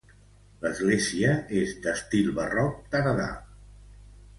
L'església és d'estil barroc tardà.